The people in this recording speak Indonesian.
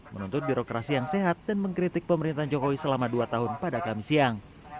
menuntut birokrasi yang sehat dan mengkritik pemerintahan jokowi selama dua tahun pada kamis siang